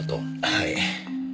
はい。